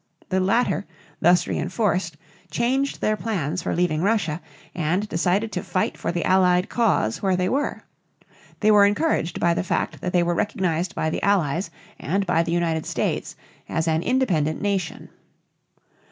The latter, thus reënforced, changed their plans for leaving Russia and decided to fight for the Allied cause where they were. They were encouraged by the fact that they were recognized by the Allies and by the United States as an independent nation.